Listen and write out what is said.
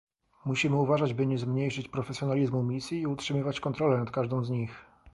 Musimy uważać, by nie zmniejszyć profesjonalizmu misji i utrzymywać kontrolę nad każdą z nich